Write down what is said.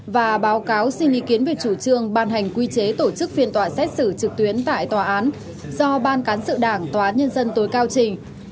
và báo cáo xin ý kiến về chủ trương ban hành quy chế tổ chức phiên tòa xét xử trực tuyến tại tòa án do ban cán sự đảng tòa án nhân dân tối cao trình